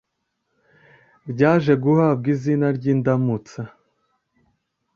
ryaje guhabwa izina ry’Indamutsa.